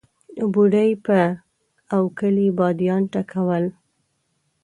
بوډۍ په اوکلۍ باديان ټکول.